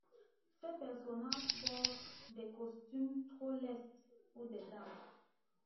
Ces personnages portent des costumes trop lestes pour des dames…